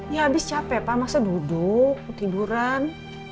ya abis capek pak masa duduk ketiduran